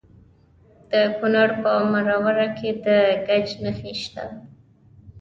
د کونړ په مروره کې د ګچ نښې شته.